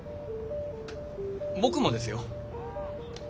僕もですよ。